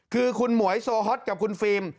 คือคุณหมวยโซฮอตกับคุณฟิล์ม